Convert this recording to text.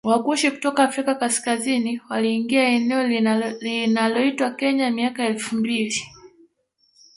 Wakushi kutoka Afrika kaskazini waliingia eneo linaloitwa Kenya miaka ya elfu mbili